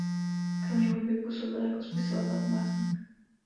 Kromě hudby působí i jako spisovatel a básník.